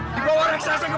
dibawa raksasa ke mana